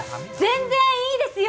全然いいですよ！